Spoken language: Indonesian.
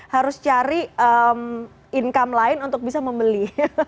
harus cari income lain untuk bisa membeli